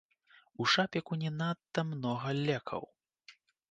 У шапіку не надта многа лекаў.